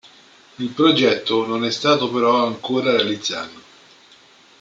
Il progetto non è stato però ancora realizzato.